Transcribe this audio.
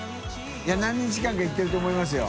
い何日間か行ってると思いますよ。